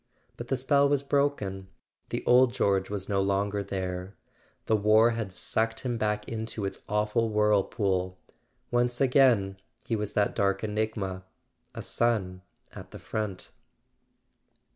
But the spell was broken: the old George was no longer there. The war had sucked him back into its awful whirlpool—once more he was that dark enigma, a son at the front.